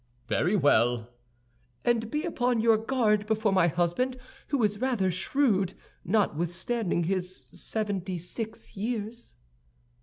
"Very well." "And be upon your guard before my husband, who is rather shrewd, notwithstanding his seventy six years."